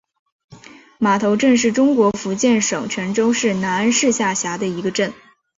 码头镇是中国福建省泉州市南安市下辖的一个镇。